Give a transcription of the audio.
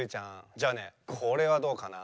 じゃあねこれはどうかな？